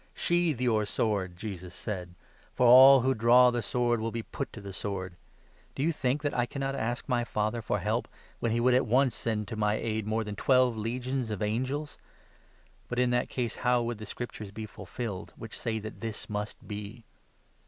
"Sheathe your sword," Jesus said, "for all who draw the 52 sword will be put to the sword. Do you think that I cannot ask 53 my Father for help, when he would at once send to my aid more than twelve legions of angels ? But in that case how would 54 the Scriptures be fulfilled, which say that this must be?